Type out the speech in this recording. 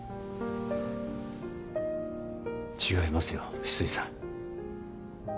違いますよ翡翠さん。